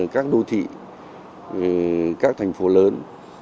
các đô thị các thành phố lớn